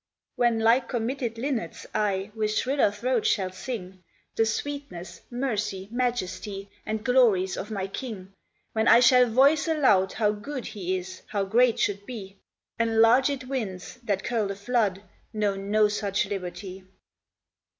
3 When, like committed linnets, I With shriller throat shall sing The sweetness, mercy, majesty, And glories of my king; When I shall voice aloud how good He is, how great should be, Enlarged winds, that curl the flood, Know no such liberty.